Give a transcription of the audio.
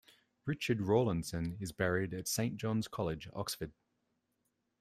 Richard Rawlinson is buried at Saint John's College, Oxford.